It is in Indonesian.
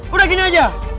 udah gini aja